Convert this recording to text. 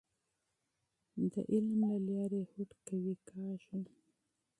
د علم له لارې هوډ قوي کیږي.